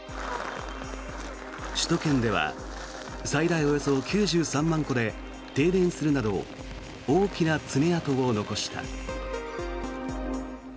首都圏では最大およそ９３万戸で停電するなど大きな爪痕を残した。